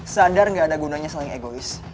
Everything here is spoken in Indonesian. sadar gak ada gunanya saling egois